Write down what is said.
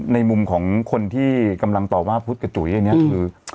ในมุมของคนที่กำลังตอบว่าพุทธกับจุ๋ยอันนี้คือ